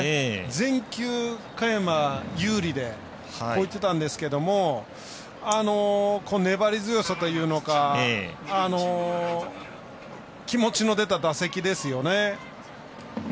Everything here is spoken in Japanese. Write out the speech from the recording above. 全球嘉弥真が有利でいってたんですけど粘り強さというのか気持ちの出た打席ですよね。